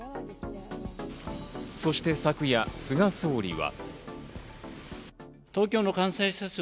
そして昨夜、菅総理は。